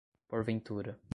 porventura